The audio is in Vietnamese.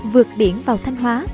vượt biển vào thanh hóa